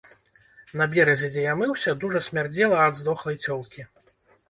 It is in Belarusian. На беразе, дзе я мыўся, дужа смярдзела ад здохлай цёлкі.